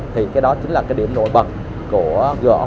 thì cái đó chính là cái điểm nội vật của g o